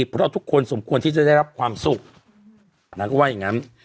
เพราะทุกคนสมควรที่จะได้รับความสุขนางก็ว่าอย่างงั้น